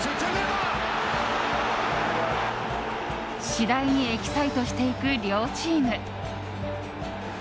次第にエキサイトしていく両チーム。